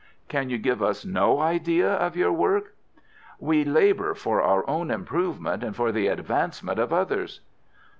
"Can you give us no idea of your work?" "We labour for our own improvement and for the advancement of others."